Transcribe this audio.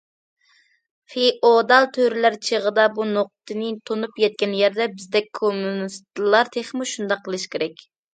فېئودال تۆرىلەر چېغىدا بۇ نۇقتىنى تونۇپ يەتكەن يەردە، بىزدەك كوممۇنىستلار تېخىمۇ شۇنداق قىلىشى كېرەك.